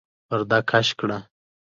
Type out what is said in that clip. پرده کش کړه!